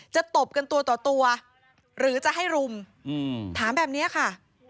ตบกันตัวต่อตัวหรือจะให้รุมถามแบบนี้ค่ะ